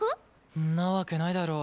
んなわけないだろう。